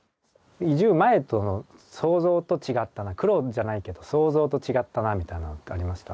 移住前との想像と違ったな苦労じゃないけど想像と違ったなみたいなのってありました？